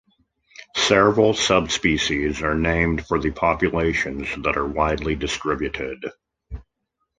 Several subspecies are named for the populations that are widely distributed.